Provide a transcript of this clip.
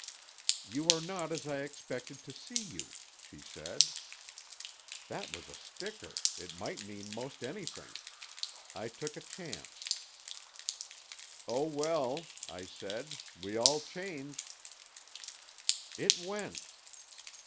"'You are not as I expected to see you,' she said. "That was a sticker. It might mean most anything. I took a chance. "'Oh, well,' I said, 'we all change.' "It went.